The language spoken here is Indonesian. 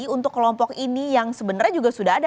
untuk kelompok ini yang sebenarnya juga sudah ada